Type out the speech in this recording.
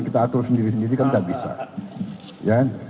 kita atur sendiri sendiri kan tidak bisa